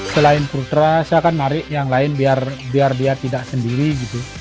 selain putra saya akan narik yang lain biar dia tidak sendiri gitu